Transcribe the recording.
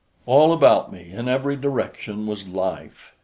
All about me, in every direction, was life.